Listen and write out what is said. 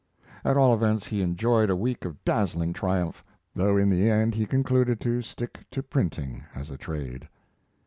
At all events, he enjoyed a week of dazzling triumph, though in the end he concluded to stick to printing as a trade.